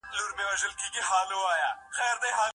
حق وپېژندی.